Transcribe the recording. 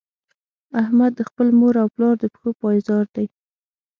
احمد د خپل مور او پلار د پښو پایزار دی.